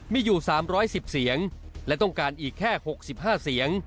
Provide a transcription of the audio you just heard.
มีอยู่๓๑๐เสียงและต้องการอีกแค่๖๕เสียง